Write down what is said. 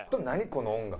この音楽。